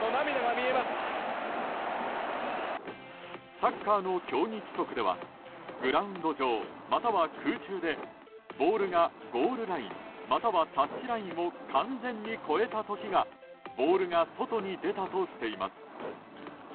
サッカーの競技規則ではグラウンド上または空中でボールがゴールラインまたはタッチラインを完全に越えた時がボールが外に出たとしています。